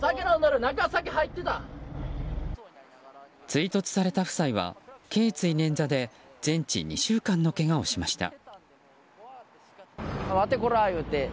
追突された夫妻は頸椎捻挫で全治２週間のけがをしました。